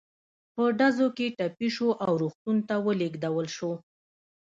په ډزو کې ټپي شو او روغتون ته ولېږدول شو.